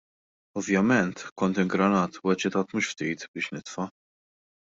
Ovvjament, kont ingranat u eċitat mhux ftit biex nitfa'.